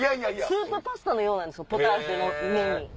スープパスタのようなんですポタージュと麺。